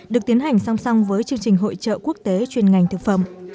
được tiến hành song song với chương trình hội trợ quốc tế chuyên ngành thực phẩm